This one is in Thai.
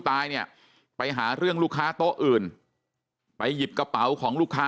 ตายเนี่ยไปหาเรื่องลูกค้าโต๊ะอื่นไปหยิบกระเป๋าของลูกค้า